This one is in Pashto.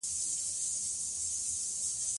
که ښځه عاید ولري، نو د ماشومانو راتلونکی خوندي دی.